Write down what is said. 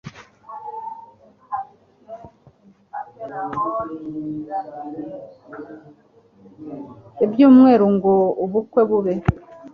ibyumweru ngo ubukwe bube